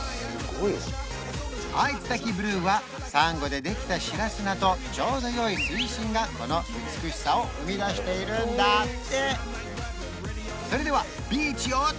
アイツタキブルーはサンゴでできた白砂とちょうどよい水深がこの美しさを生み出しているんだって